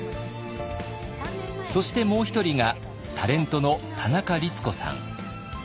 そしてもう一人がタレントの田中律子さん。